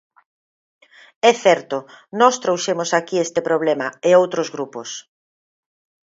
É certo, nós trouxemos aquí este problema, e outros grupos.